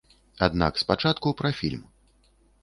Аднак спачатку пра фільм.